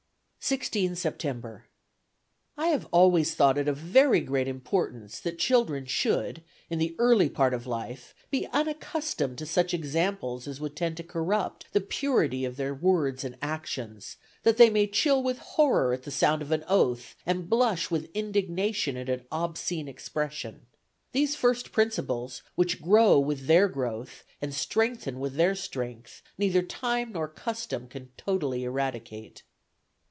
"16 September. "I have always thought it of very great importance that children should, in the early part of life, be unaccustomed to such examples as would tend to corrupt the purity of their words and actions, that they may chill with horror at the sound of an oath, and blush with indignation at an obscene expression. These first principles, which grow with their growth, and strengthen with their strength, neither time nor custom can totally eradicate."